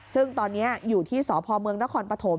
ซึ่งตอนนี้อยู่ที่สพเมืองนครปฐม